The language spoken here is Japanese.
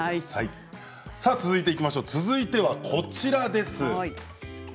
続いてはこちらです。